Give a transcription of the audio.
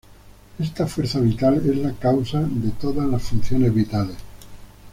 Esta fuerza vital es la causa de todas las funciones vitales.